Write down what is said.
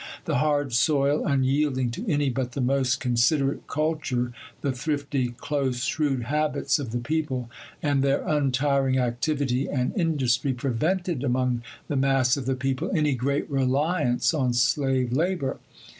The hard soil, unyielding to any but the most considerate culture, the thrifty, close, shrewd habits of the people, and their untiring activity and industry, prevented, among the mass of the people, any great reliance on slave labour.